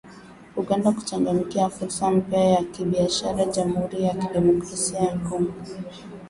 Uganda kuchangamkia fursa mpya za kibiashara Jamhuri ya kidemokrasia ya Kongo.